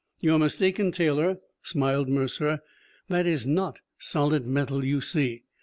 "You're mistaken, Taylor," smiled Mercer. "That is not solid metal, you see.